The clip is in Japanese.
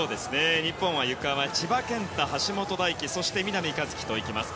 日本は、ゆかは千葉健太橋本大輝そして南一輝と行きます。